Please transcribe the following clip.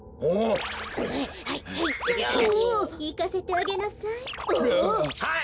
いかせてあげなさい。